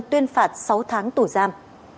tuyên phạt sáu tháng tù giam